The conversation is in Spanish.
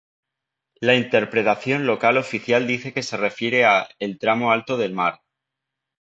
La interpretación local oficial dice que se refiere a ‘el tramo alto del mar’.